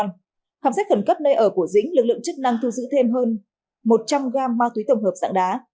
tại đoạn đường hai trăm ba mươi ba khám sát khẩn cấp nơi ở của dĩnh lực lượng chức năng thư giữ thêm hơn một trăm linh g ma túy tổng hợp dạng đá